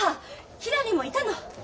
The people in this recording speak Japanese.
ひらりもいたの。